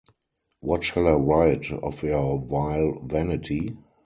What shall I write of your vile vanity?